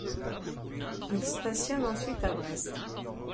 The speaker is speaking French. Il stationne ensuite à Brest.